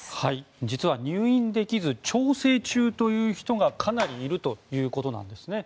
実は入院できず調整中という人がかなりいるということなんですね。